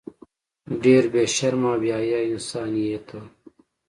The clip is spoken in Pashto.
ډیر بی شرمه او بی حیا انسان یی ته